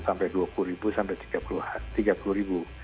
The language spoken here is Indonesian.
sampai dua puluh sampai tiga puluh